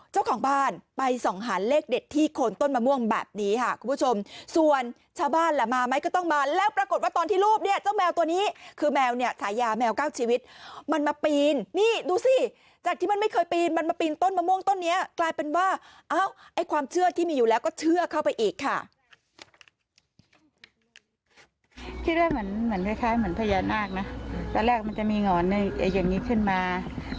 เจ้าของบ้านไปส่องหาเลขเด็ดที่โคนต้นมะม่วงแบบนี้ค่ะคุณผู้ชมส่วนชาวบ้านล่ะมาไหมก็ต้องมาแล้วปรากฏว่าตอนที่รูปเนี่ยเจ้าแมวตัวนี้คือแมวเนี่ยฉายาแมวเก้าชีวิตมันมาปีนนี่ดูสิจากที่มันไม่เคยปีนมันมาปีนต้นมะม่วงต้นนี้กลายเป็นว่าเอ้าไอ้ความเชื่อที่มีอยู่แล้วก็เชื่อเข้าไปอีกค่ะ